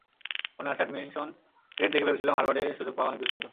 মনে আছে, admission rate দেখে ভেবেছিলাম হার্ভার্ডে সুযোগ পাওয়া অনেক দুঃসাধ্য।